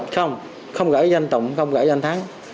không không gửi danh tùng không gửi danh thắng